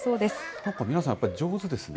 なんか皆さん、やっぱり上手ですね。